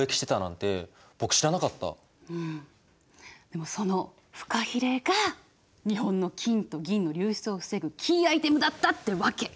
でもそのフカヒレが日本の金と銀の流出を防ぐキーアイテムだったってわけ！